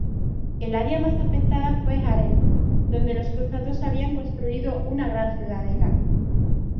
El área más afectada fue Harem, donde los cruzados habían construido una gran ciudadela.